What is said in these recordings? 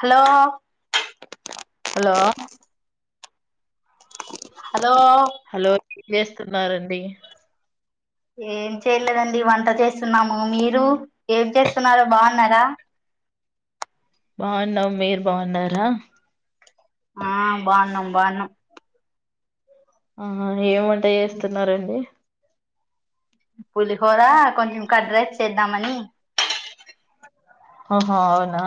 Hello hello hello hello ఏం చేస్తున్నారండి? ఏం చేయలేదండి. వంట చేస్తున్నాము. మీరు ఏం చేస్తున్నారు బాగున్నారా? బాగున్నాం. మీరు బాగున్నారా? ఆ బాన్నాం. బాన్నాం. ఆ ఏం వంట చేస్తున్నారండి? పులిహోర కొంచెం కర్డ్ రైస్ చేద్దామని. ఒహో అవునా!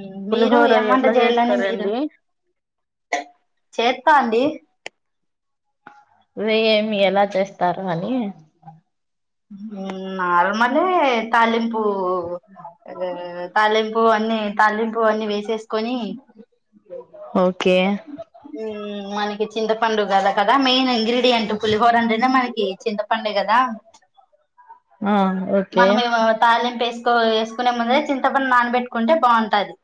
మ్ మీరు పులిహోర ఏం వంట ఎట్లా చేయల్లని మీరు? చేస్తారండి చేత్ తాంది. వే ఏమి ఎలా చేస్తారు అని! మ్ నార్మలే తాలింపు. అదె దె దె తాలింపు అన్ని తాలింపు అన్ని వేసేసుకొని, ఓకే మనకి చింతపండు కదా, కదా మెయిన్ ఇంగ్ర్రిడియంట్ పులిహోర అంటేనే, మనకి చింతపండె కదా! ఆ ఓకే మనమెమో తాలిం వేసుకో, వేసుకునే ముందే, చింతపండు నానబెట్టుకుంటే బాంటాది.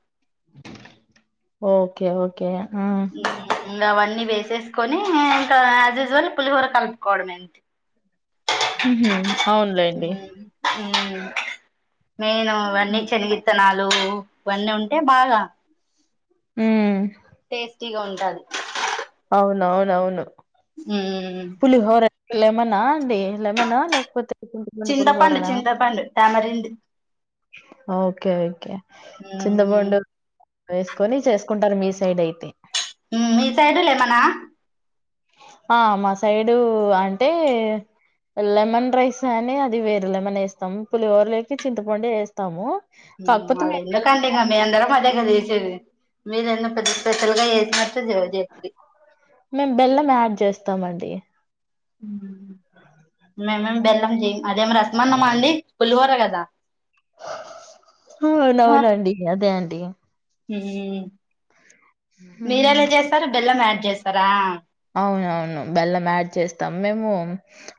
Okay okay. ఈ ఇంకా అవన్నీ వేసేసుకొని ఇంకా యాజ్ యూజువల్ పులిహోర కలుపుకోవడమే అంతె. మ్ హు అవునులేండి. మ్ మెయిను ఇవన్నీ చెనిగిత్తనాలు, లు ఇవన్నీ ఉంటే బాగా, మ్ టేస్టీగా ఉంటాది. ఉన్ అవునవును. పులిహోర లెమనా అండి లేమనా లేకపోతే [unintelligible] చింతపండు పులిహోరనా? చింతపండు టామరిండ్ ఓకె ఓకె మ్ వేసుకొని చేసుకుంటారు మీ సైడ్ అయితే మీ సైడు లెమన ఆ మా సైడు అంటే లెమన్ రైస్ అని అది వేరు లెమన్ వేస్తాము పులిహోరలో అయితే చింతపండు వేస్తాము కాకపోతే మళ్ళ మేము బెల్లం ఎందుకండీ ఇగ మీ అందరం అదే కదా మీరేన్న పెద్ద స్పెషల్గా చేసినట్ మేం బెల్లం యాడ్ చేస్తామండి లెమన్ బెల్లం జయ్యాం అదే రసమన్నమా అండి పులివోర కదా అవునవునండి అదే అండి హ్మ్. మీరేలా చేస్తారు బెల్లం యాడ్ చేస్తారా అవునవును బెల్లం యాడ్ చేస్తాం మేము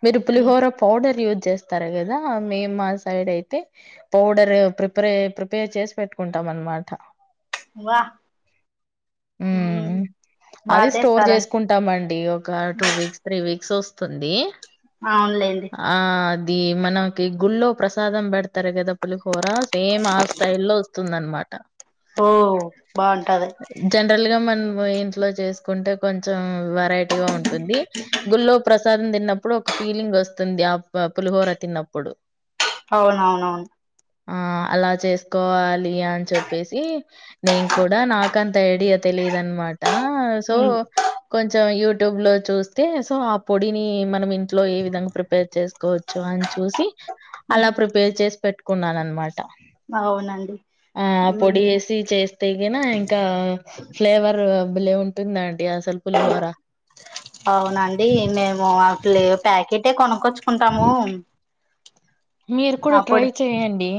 మీరు పులిహోర పౌడర్ చేస్తారు కదా మేము మా సైడ్ అయితే పౌడర్ ప్రిపరె ప్రిపేర్ చేసి పెట్టుకుంటాం అన్నమాట వా బాగా చేస్తారన్ కుంటామండి ఒక టూ వీక్స్ త్రీ వీక్స్ వస్తుంది అవునులేండి ఇది మనకి గుళ్లో ప్రసాదం పెడతారు కదా పులిహోర సేమ్ ఆ స్టైల్లో వస్తుందన్నమాట ఓ బాగుంటది జనరల్గా మనం ఇంట్లో చేసుకుంటే కొంచం వెరైటీగా ఉంటుంది గుళ్లో ప్రసాదం తిన్న అప్పుడు ఒక ఫీలింగ్ వస్తుంది అబ్బా పులిహోర తిన్నప్పుడు అవునవునవును ఆ అలా చేసుకోవాలి అని చెప్పేసి నేను కూడా నాకంత ఐడియా తెలిదు అన్నమాట టా సో కొంచెం యూట్యూబ్ లో చూస్తే సో ఆ పొడిని మనం ఇంట్లో ఏ విధంగా ప్రిపేర్ చేస్త కోవచ్చు అని చూసి అలా ప్రిపేర్ చేసి పెట్టుకున్నాను అన్నమాట అవునం ఆ పొడి వేసి చేస్తే గిన ఇంకా ఫ్లేవర్ భలే ఉంటుందండి అసలు పులిహోర. అవునండి మేము అట్లు ప్యాకెటే కొను కుంటాము మీరు కూడా ట్రై చేయండి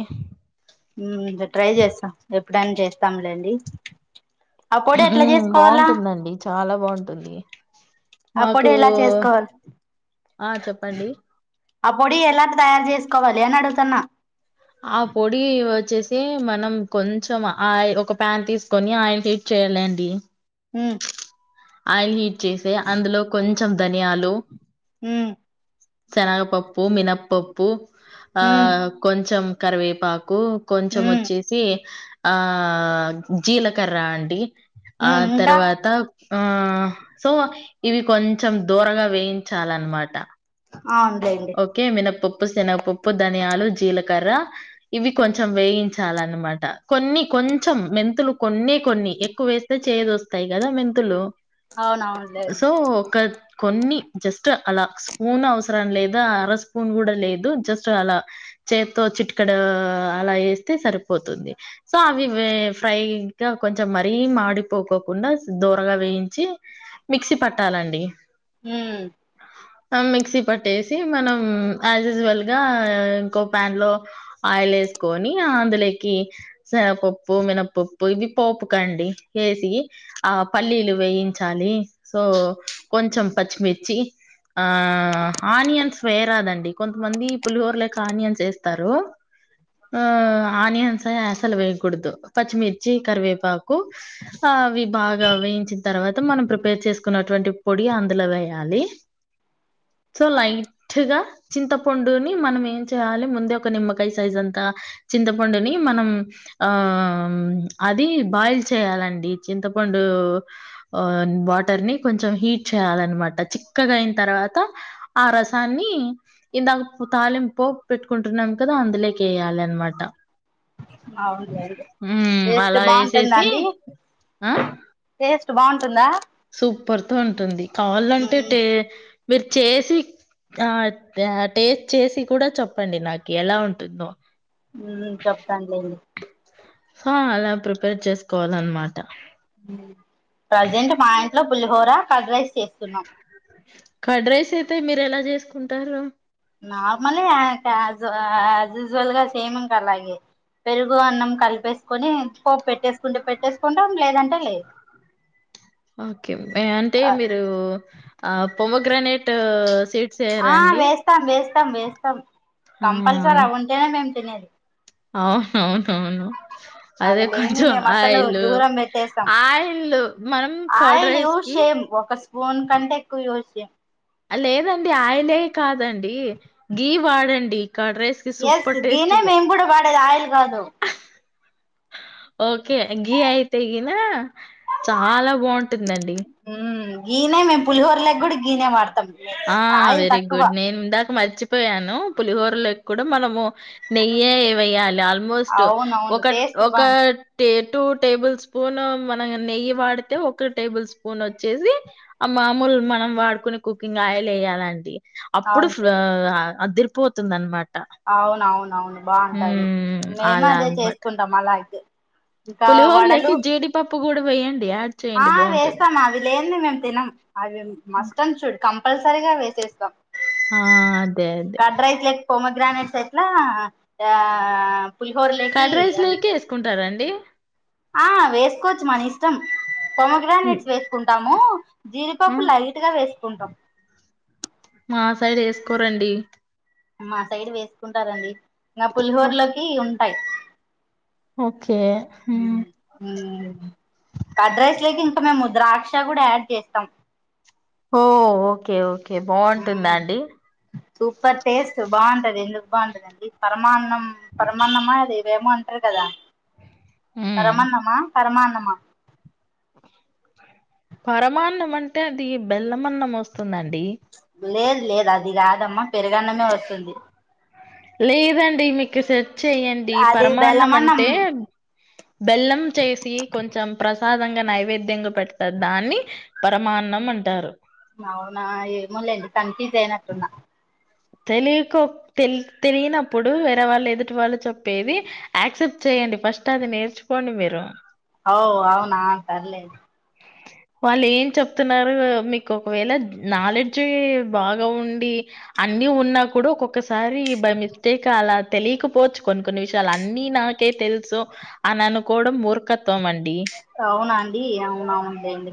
ట్రై చేస్తా ఎప్పుడైనా చేస్తాంలేండి ఆ పొడి ఎట్లా చేసుకోవాలా బాగుంటుందండి చాలా బాగుంటుంది ఆ మాకు పొడి ఎలా చేసుకోవాలి ఆ చెప్పండి ఆ పొడి ఎలా తయారు చేసుకోవాలి అని అడుగుతున్నా ఆ పొడి వచ్చేసి మనం కొంచెం ఆ ఒక ప్యాన్ తీసుకొని ఆయిల్ హీట్ చేయాలండి ఉమ్ ఆయిల్ హీట్ చేసి అందులో కొంచెం ధనియాలు ఉమ్ శనగపప్పు, మినప్పప్పు, ఆ ఉమ్ కొంచెం కరివేపాకు కొంచెం ఉమ్ వచ్చేసి ఆ జీలకర్ర అండి ఆ ఉమ్ ఇంకా తర్వాత ఆ సో ఇవి కొంచెం దోరగా వేయించాలన్నమాట అవునులేండి ఓకే మినప్ప పప్పు, శనగపప్పు, ధనియాలు, జీలకర్ర ఇవి కొంచెం వేయించాలన్నమాట కొన్ని కొంచెం మెంతులు కొన్ని కొన్ని ఎక్కువ వేస్తే చేదు వస్తాయి కదా మెంతులు అవునవునులేండి సో ఒక కొన్ని జస్ట్ అలా స్పూన్ అవసరం లేదు అర స్పూన్ కూడా లేదు జస్ట్ అలా చేత్తో చిట్కడ అలా ఎస్తే సరిపో పోతుంది సో అవి ఫ్రైగా కొంచెం మరీ మాడిపోకోకుండా దోరగా వే యించి మిక్సీ పట్టాలండి మ్ ఆ మిక్సీ పట్టే సి మనం యాజ్ యూజివల్ గా ఇంకో ప్యాన్ లో ఆయిల్ వేసుకొని అందులో కి పప్పు మినపప్పు ఇవి పోపుకండి వేసి ఆ పల్లి వేయించాలి సో కొంచెం పచ్చిమిర్చి ఆ ఆనియన్స్ వేయరాదండి కొంతమంది పులిహోరలోకి ఆనియన్స్ వేస్తారు ఆ ఆనియన్స్ అసలు వేయకుడదు పచ్చిమిర్చి కరివేపాకు ఆ అవి బాగా వేయించిన తర్వాత మనం ప్రిపేర్ చేసుకున్నటువంటి పొడి అందులో వేయాలి సో లైట్ గా చింతపండుని మనం ఏం చేయాలి ముందే ఒక నిమ్మకాయ సైజ్ అంతా చింతపండుని మనం ఆ అది బాయిల్ చేయాలండి చింతపండు వాటర్ ని కొంచెం హీట్ చేయాలన్నమాట చిక్కగా అయిన తర్వాత ఆ రసాన్ని ఇందాక తాలింపోపు పెట్టుకుంటున్నాం కదా అందులోకేయాలిన్న మాట అవునులేండి మ్ టేస్ట్ అలా బాగుంటుందా వేసేసి అండి ఆ టేస్ట్ బాగుంటుందా సూపర్ తో ఉంటుంది కావళ్ళంటే ఉమ్ టే మీరు చేసి ఆ టేస్ట్ చేసి కూడా చెప్పండి నాకు ఎలా ఉంటుందో ఉ చెప్తాను లేండి హా అలా ప్రిపేర్ చేసుకోవాలన్నమాట ప్రజెంట్ మా ఇంట్లో పుల్లిహోర కడ్ రైస్ చేస్తున్నాం కడ్ రైస్ అయితే మీరు ఎలా చేసుకుంటారు నార్మలే యా యాజ్ యూజువల్ గా సేమ్ ఇంకా అలాగే పెరుగు అన్నం కలిపేసుకొని పోపు పెట్టేసుకుంటే పెట్టేసుకుంటాం లేదంటే లేదు ఓకే ఆ అంటే లేదు మీరు ఆ పోమగ్రనేట్ సి ఆ వేస్తాం వేస్తాం వేస్తాం ఆ! కంపల్సరీ అవుంటేనే మేము తినేది అవును అవును అవును అదే అవి లేనిది కొంచెం మేము అసలు ఆయిల్ దూరం పెట్టేస్తాం ఆయిల్లు మనం కడ్ ఆయిల్ రైస్ యూజ్ చేయం ఒక స్పూన్ కంటే ఎక్కువ యూస్ చేం లేదండి ఆయిలే కాదండి గీ వాడండి కడ రైస్ కి ఎస్ సూపర్ గీనే టేస్గా మేము కూడా వాడేది ఆయిల్ కాదు ఓ కే గి అయితే గిన చాలా బాగుంటుందండి గినే మేం పులిహోర లోకి కూడా గినే వాడ్ ఆ వెరీ గుడ్ నేను ఇందాక మర్చి పోయాను పులిహోరలోకి కూడా మనము నెయ్యే ఏయాలి ఆల్ ఆల్మోస్ట్ అవునవును ఒక టేస్ట్ బాగుంది ఒకటి టూ టేబుల్ స్పూన్ మన నెయ్యి వాడితే ఒక టేబుల్ స్పూన్ వచ్చేసి ఆ మామూలు మనం వాడుకునే కుకింగ్ ఆయిల్ వేయ్యాలండి అప్పుడు అంతే ఆ అదిరిపోతుంది అనమాట అవునవునవును బాగుంటది మేము అలా అదే అనమాట చేసుకుంటాం అలాతే ఇంకా వడలు పులిహోరలోకి జీడిపప్పు కూడా వేయండి యాడ్ చేయండి బాగుంటది లేంది మేము తినం అవి మస్ట్ అండ్ షుడ్ కంపల్సరీగా వేసేస్తాం ఆ అదే అదే గ్రానైట్స్ అట్లా ఆ పులిహోరలేకి కర్డ్ రైస్ అవి లేకె వేసుకుంటారండి ఆ వేసుకోవచ్చు మన ఇష్టం ఉమ్, పోమగ్రానేట్స్ వేసుకుంటాము ఆ జీడిపప్పు లైట్ గా వేసుకుంటాం మా సైడ్ వేసుకోరండి మా సైడ్ వేసుకుంటారండి ఇంకా ఓ- పులిహోర్లోకి ఉంటాయి ఓకే హ్మ్ కడ్రైస్ లోకి ఇంకా మేము ముద్రాక్ష కూడా యాడ్ చేస్తాం ఓ ఓకే ఓకే బాగుంటుందా హ్మ్ అండి సూపర్ టేస్ట్ బాగుంటది ఎందుకు బాగుంటదిండి పరమాన్నం పరమాన్నమా అది ఇవేమో అంటారు కదా ఉమ్ పరమాన్నమా పరమాన్నం నమ పరమాన్నం అంటే అది బెల్లమన్నం వస్తుందండి లేదు లేదు అది రాదమ్మా పెరుగన్నమే వస్తుంది లేదండి మీకు చెయడి అది పరమాన్నం బెల్లమన్నం అంటే బెల్లం చేసి కొంచెం ప్రసాదంగా నైవేద్యంగా పెడతారు దాన్ని పరమాన్నం అంటారు అవునా ఏమల్ండి కన్ఫీజ్ అయినట్న్నా తెలియకో తె తెలియనప్పుడు వేరే వాళ్ళు ఎదుటి వాళ్ళు చెప్పేది యాక్సెప్ట్ చేయ యండి ఫర్స్ట్ అది నేచికోండి మెరు అఓ అవునా సర్లే వాళ్ళు ఏం చెప్తున్నారు మీకు ఒకవేళ నాలెడ్జ్ బాగా ఉండి అ అన్ని ఉన్నా కూడా ఒక్కొక్కసారి బై మిస్టేక్ అలా తెలియకపోవచ్చు కొన్ని కొన్ని విషయాలు అన్ని నాకైతే తెలుసు అని అనుకోవడం మూర్ఖత్వం అండి అవునా అండి అవునవునుండి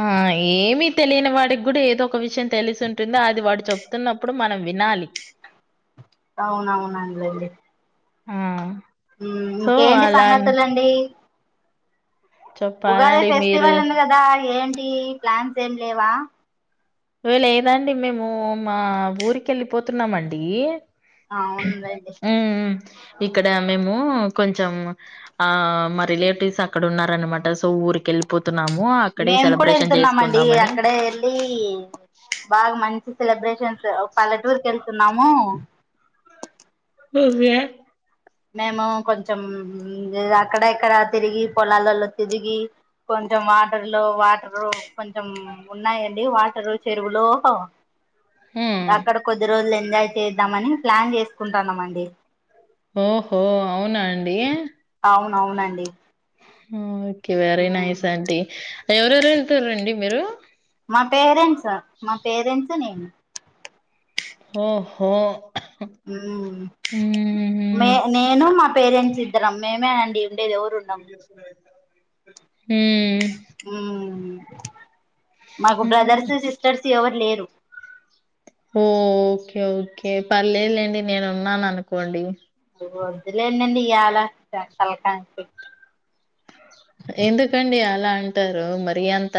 ఆ ఏమిీ తెలియని వాడికి కూడా ఏదో ఒక విషయం తెలిసి ఉంటుందో అది వాడు చెప్తున్నప్పుడు మనం వినాలి అవునవునాలాడి ఆ సో అలా అన్ సంగతులండి ఉగాది ఫెస్టివల్ మీరు ఉంది కదా ఏంటి ప్లాన్స్ ఏమి లేవా వ లేదాండి మేము మా ఊరిక వెళ్ళిపోతున్నామండి అవును లెండి ఉమ్ ఇక్కడ మేము కొంచెం ఆ మా రిలేటివ్స్ అక్కడ ఉన్ననమాట సో ఊరిక వెళ్ళిపోతున్నాము అక్కడ మేము కూడా సెలబ్రేషన్ వెళ్తున్నామండి చేసుకుందామని అక్కడే వెళ్ళి బాగా మంచి సెలబ్రేషన్స్ పల్లెటూర్ క వెళ్తున్నాము నీవే మేము కొంచెం అక్కడ ఎక్కడ తిరిగి పొలాలలో తిరిగి కొ కొంచెం వాటర్లు వాటరు కొంచెం ఉన్నాయంండి వాటరు చెరువులు ఉమ్ అక్కడ కొద్ది రోజులు ఎంజాయ్ చేద్దామని ప్లాన్ చేసుకుంటాన్నా అండి ఓహో అవునా అండి అవునవునండి ఓకే వెరీ మ్మ్ నైస్ ఆంటీ ఎవరెవరు వెళ్తారండి మీరు మా పేరెంట్స మా పేరెంట్స్ నేను ఓ హో హ్మ్ మే నేను మా పేరెంట్స్ ఇద్దరం మేమే అండి ఉండేది ఎవరు ఉండం రజస్ మాకు ఉమ్. బ్రదర్స్ సిస్టర్స్ ఎవరు లేరు ఓ ఓకే ఓకే పర్లేలేండి నేను ఉన్నాను అనుకోండి వద్దులేనండి ఎలా తలకాయణప్పి ఎందుకండి అలా అంటారు మరి అంత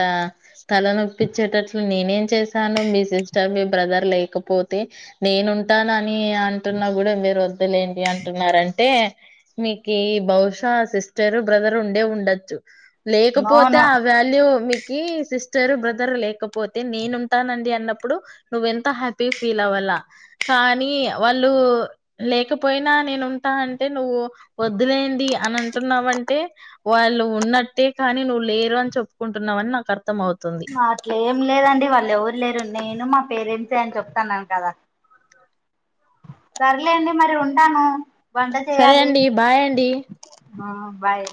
తలనొప్పించేటట్లు నేనేం చేసాను మీ సిస్టర్ మీ బ్రదర్ లేకపోతే నేను ఉంటాను అని అంటున్నా కూడా వద్దలేంటి అంటున్నారంటే మీకు బహుశా సిస్టరు బ్రదర్ ఉండే ఉండదు నో లేకపోతే నో ఆ వ్యాల్యూ మీకు సిస్టర్ బ్రదర్ లేకపోతే నేను ఉంటానండి అన్నప్పుడు నువ్వ ఎంత హ్యాపీ ఫీల్ అవ్వాలి కానీ వాళ్ళు లేకపోయినా నేను ఉంటా అంటే నువ్వు వద్దు ఇదేండి అని అంటున్నామంటే వాళ్ళు ఉన్నట్టే కానీ నువ్వు లేరు అని చెప్పుకుంటున్నావని నాకు అర్థం అవుతుంది మా అట్లే ఏం లేదండి వాళ్ళు ఎవరు లేరు నేను మా పేరెంట్సే అని చెప్తాన్నాను కదా సర్లేండి మరి ఉంటాను. వంట సరే చేయాలి అండి బాయ్ అండి. ఆ బాయ్